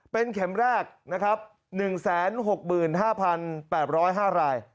เป็นเข็มแรกนะครับ๑๖๕๘๐๕ราย